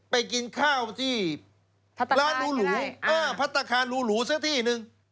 ไปกินข้าวที่ร้านรูหรูพัฒนาคารรูหรูซะที่หนึ่ง